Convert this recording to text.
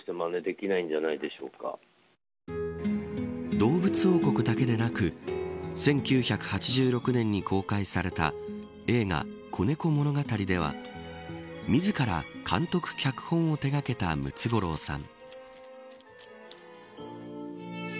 動物王国だけでなく１９８６年に公開された映画、子猫物語では自ら監督、脚本を手がけたムツゴロウさん。